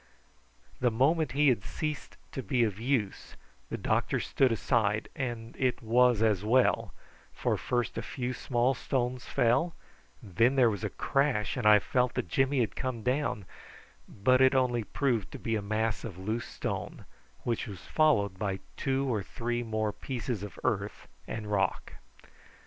The moment he had ceased to be of use the doctor stood aside, and it was as well, for first a few small stones fell, then there was a crash, and I felt that Jimmy had come down, but it only proved to be a mass of loose stone, which was followed by two or three more pieces of earth and rock.